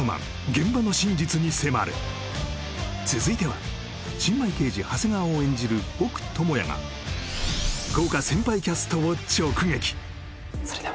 現場の真実に迫る続いては新米刑事長谷川を演じる奥智哉が豪華先輩キャストを直撃